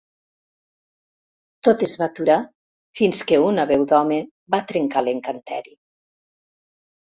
Tot es va aturar fins que una veu d'home va trencar l'encanteri.